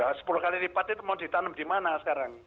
ya sepuluh kali lipat itu mau ditanam di mana sekarang